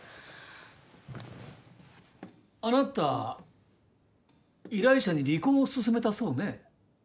あなた依頼者に離婚を勧めたそうね。